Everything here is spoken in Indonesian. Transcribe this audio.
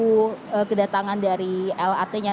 terus kemudian juga kedatangan dari lrt nya